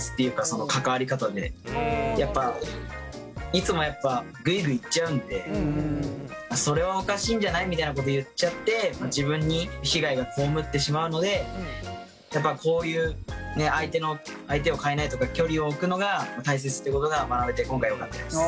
いつもやっぱグイグイいっちゃうんでそれはおかしいんじゃない？みたいなこと言っちゃって自分に被害が被ってしまうのでやっぱこういう相手を変えないとか距離を置くのが大切ということが学べて今回よかったです。